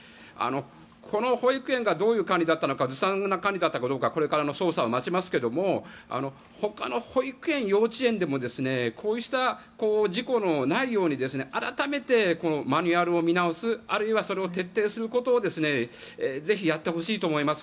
この保育園がどういう管理だったのかずさんな管理だったかどうかはこれからの捜査を待ちますがほかの保育園・幼稚園でもこうした事故のないように改めてマニュアルを見直すあるいは、それを徹底することをぜひやってほしいと思います。